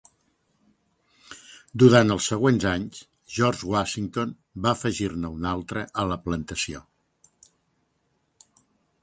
Durant els següents anys, George Washington va afegir-ne un altre a la plantació.